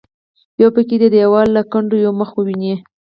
یو پکې د دیواله له کنډوه یو مخ وویني.